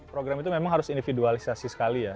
program itu memang harus individualisasi sekali ya